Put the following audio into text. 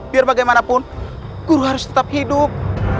biar bagaimanapun guru harus tetap hidup